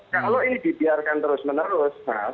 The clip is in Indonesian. kalau ini dibiarkan terus menerus